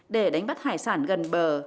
để đánh bắt hải sản gần bờ